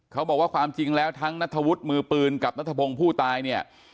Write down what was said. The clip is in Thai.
เขาบอกว่าความจริงแล้วทั้งนัทธวุฒิมือปืนกับนัทพงศ์ผู้ตายเนี่ย